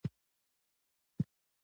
د مګنیزیم د تعامل معادله ولیکئ.